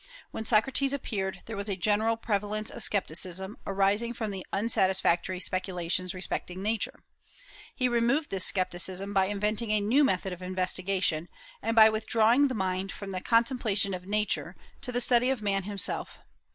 When Socrates appeared there was a general prevalence of scepticism, arising from the unsatisfactory speculations respecting Nature. He removed this scepticism by inventing a new method of investigation, and by withdrawing the mind from the contemplation of Nature to the study of man himself.